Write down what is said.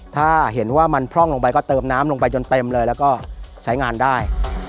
ถ้าเห็นว่ามันพร่องลงไปก็เติมน้ำลงไปจนเต็มเลยแล้วก็ใช้งานได้